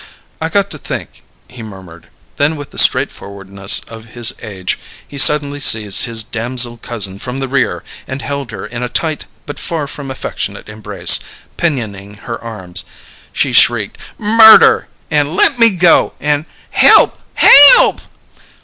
"I got to think," he murmured; then with the straightforwardness of his age, he suddenly seized his damsel cousin from the rear and held her in a tight but far from affectionate embrace, pinioning her arms. She shrieked, "Murder!" and "Let me go!" and "Help! Hay yulp!"